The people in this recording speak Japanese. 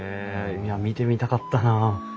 いや見てみたかったなあ。